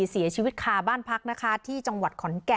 เสียชีวิตคาบ้านพักนะคะที่จังหวัดขอนแก่น